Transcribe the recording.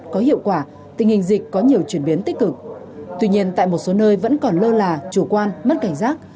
có hiệu quả tình hình dịch có nhiều chuyển biến tích cực tuy nhiên tại một số nơi vẫn còn lơ là chủ quan mất cảnh giác